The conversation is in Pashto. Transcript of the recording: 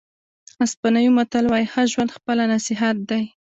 اسپانوي متل وایي ښه ژوند خپله نصیحت دی.